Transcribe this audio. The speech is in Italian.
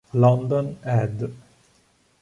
London ed.